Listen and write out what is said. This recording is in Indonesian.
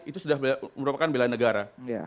itu sudah merupakan bela negara